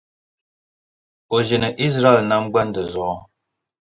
n ʒini Izraɛl nam gbandi zuɣu.